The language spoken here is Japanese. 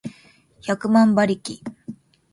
百万馬力